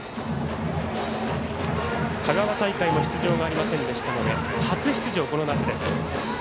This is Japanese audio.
香川大会の出場がありませんでしたので初出場。